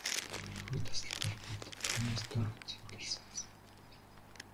Төлөвлөгөө тасалбал бид түүнээс дор зэмлэл сонсоно.